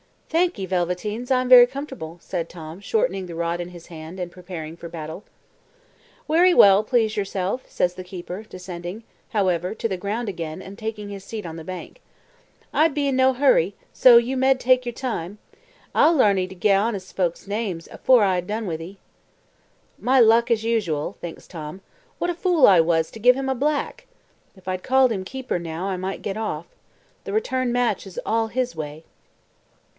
"Thank 'ee, Velveteens, I'm very comfortable," said Tom, shortening the rod in his hand, and preparing for battle. "Werry well, please yourself," says the keeper, descending, however, to the ground again, and taking his seat on the bank. "I bean't in no hurry, so you med take your time. I'll larn 'ee to gee honest folk names afore I've done with 'ee." "My luck as usual," thinks Tom; "what a fool I was to give him a black! If I'd called him 'keeper,' now, I might get off. The return match is all his way."